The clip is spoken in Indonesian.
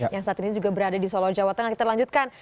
yang saat ini juga berada di solo jawa tengah kita lanjutkan